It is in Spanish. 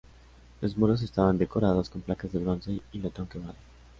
Los muros estaban decorados con placas de bronce y latón labrado.